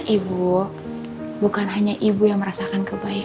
ibu bukan hanya ibu yang merasa terasa tapi juga ibu yang merasa terasa juga sama nenek